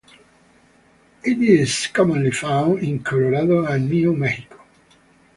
It is commonly found in Colorado and New Mexico.